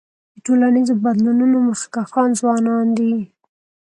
د ټولنیزو بدلونونو مخکښان ځوانان دي.